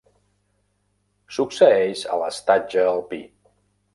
Succeeix a l'estatge alpí.